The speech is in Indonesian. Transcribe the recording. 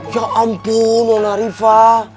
ya ampun nona riva